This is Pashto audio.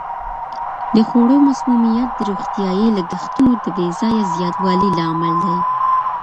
د خوړو مسمومیت د روغتیايي لګښتونو د بې ځایه زیاتوالي لامل دی.